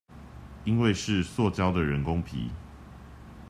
因為是塑膠的人工皮